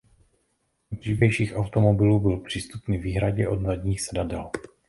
U dřívějších automobilů byl přístupný výhradně od zadních sedadel.